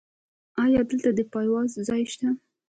ایا دلته د پایواز ځای شته؟